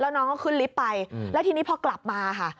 น้องก็ขึ้นลิฟต์ไปแล้วทีนี้พอกลับมาค่ะ